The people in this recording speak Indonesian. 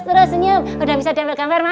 terus senyum udah bisa diambil gambar mas